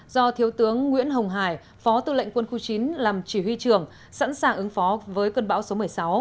do thiếu tướng nguyễn hồng hải phó tư lệnh quân khu chín làm chỉ huy trưởng sẵn sàng ứng phó với cơn bão số một mươi sáu